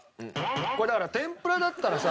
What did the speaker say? これだから天ぷらだったらさ。